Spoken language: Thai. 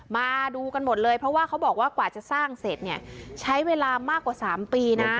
มาดูกันหมดเลยเพราะว่าเขาบอกว่ากว่าจะสร้างเสร็จเนี่ยใช้เวลามากกว่า๓ปีนะ